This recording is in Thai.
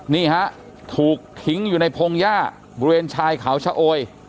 นี่ฮะถูกทิ้งอยู่ในพงหญ้าบริเวณชายเขาชะโอย